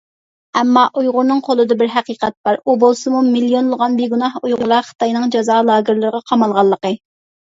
ئەمما ئۇيغۇرنىڭ قولىدا بىر ھەقىقەت بار، ئۇ بولسىمۇ مىليونلىغان بىگۇناھ ئۇيغۇرلار خىتاينىڭ جازا لاگېرلىرىغا قامالغانلىقى.